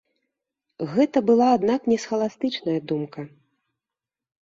Гэта была, аднак, не схаластычная думка.